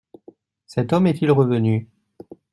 Cet homme est-il revenu ?